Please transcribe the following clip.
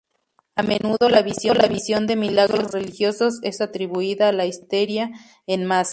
A menudo, la visión de milagros religiosos es atribuida a la histeria en masa.